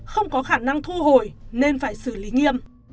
không có khả năng thu hồi nên phải xử lý nghiêm